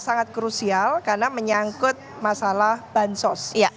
sangat krusial karena menyangkut masalah bansos